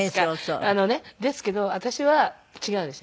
ですけど私は違うんです。